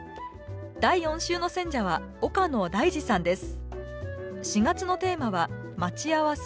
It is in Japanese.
第４週の選者は岡野大嗣さんです